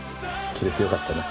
着られてよかったな。